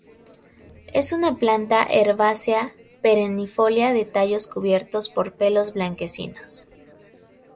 Es una planta herbácea perennifolia de tallos cubiertos por pelos blanquecinos.